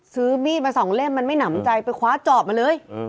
ซื้อมีดมาสองเล่มมันไม่หนำใจไปคว้าจอบมาเลย